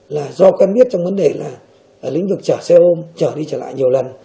là do quen biết trong vấn đề là lĩnh vực chở xe ôm chở đi chở lại nhiều lần